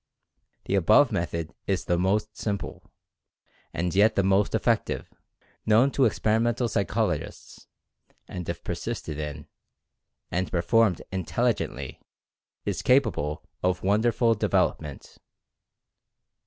The above method is the most simple, and yet the most effective, known to experimental psychologists, and if persisted in, and performed intelligently, is capable of wonderful development.